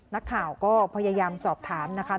นักข่าวก็พยายามสอบถามนะคะ